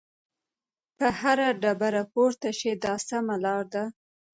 په هره ډبره پورته شئ دا سمه لار ده.